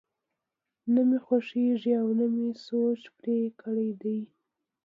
نه مو خوښېږي او نه مو سوچ پرې کړی دی.